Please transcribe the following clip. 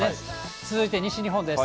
続いて西日本です。